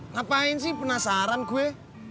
ngapain sih penasaran gue